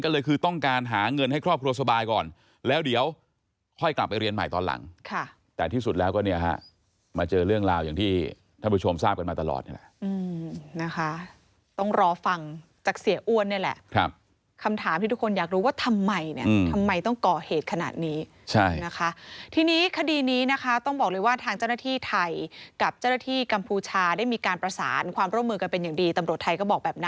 เจอเรื่องราวอย่างที่ท่านผู้ชมทราบกันมาตลอดนี่แหละอืมนะคะต้องรอฟังจากเสียอ้วนเนี่ยแหละครับคำถามที่ทุกคนอยากรู้ว่าทำไมเนี่ยอืมทำไมต้องก่อเหตุขนาดนี้ใช่นะคะทีนี้คดีนี้นะคะต้องบอกเลยว่าทางเจ้าหน้าที่ไทยกับเจ้าหน้าที่กัมพูชาได้มีการประสานความร่วมมือกันเป็นอย่างดีตำรวจไทยก็บอก